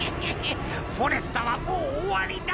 フォレスタはもう終わりだ！